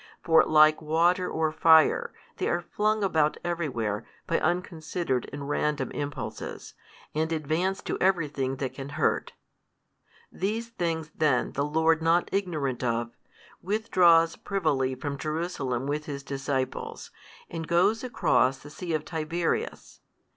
For like water or fire, they are flung about everywhere by unconsidered and random impulses, and advance to everything that can hurt. These things then the Lord not ignorant of, withdraws privily from Jerusalem with His disciples, and goes across the sea of Tiberias.